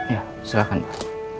ya silahkan pak